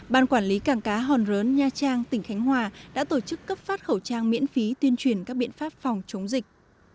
ban quản lý cảng cá hòn rớn nha trang tỉnh khánh hòa đã tổ chức cấp phát khẩu trang miễn phí tuyên truyền các biện pháp phòng chống dịch